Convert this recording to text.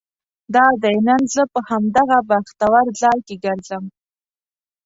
دادی نن زه په همدغه بختور ځای کې ګرځم.